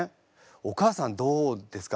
お母さんどうですか？